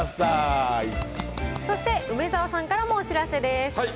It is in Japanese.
そして、梅沢さんからもお知らせです。